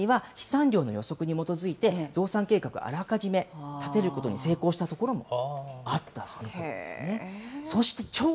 製薬会社の中には飛散量の予測に基づいて、増産計画をあらかじめ立てることに成功したところもあったそうなんですよね。